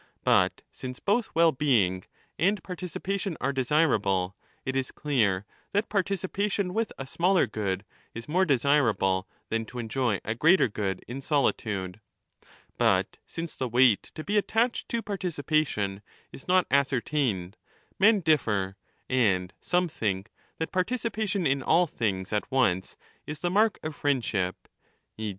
But since both well being and participation are desirable, it is clear that participation with a smaller good is more desirable than to enjoy a greater good in solitude. But since the weight to be attached to 6 participation is not ascertained, men differ, and some think that participation in all things at once is the mark of friendship, e.